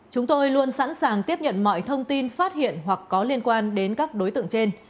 chúng tôi luôn sẵn sàng tiếp nhận mọi thông tin phát hiện hoặc có liên quan đến các đối tượng trên